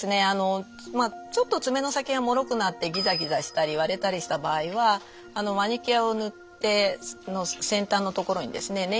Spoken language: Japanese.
あのちょっと爪の先がもろくなってギザギザしたり割れたりした場合はマニキュアを塗って先端の所にですね